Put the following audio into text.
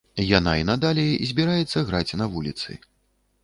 Яна і надалей збіраецца граць на вуліцы.